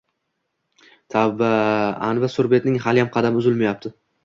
Tavba, anvi surbetning haliyam qadami uzilmayapti